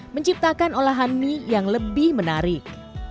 menciptakan olahan mie yang lebih menarik